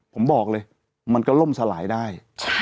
ผมบอกเลยมันก็ล่มสลายได้